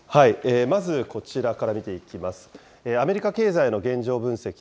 まず、こちらから見ていきます。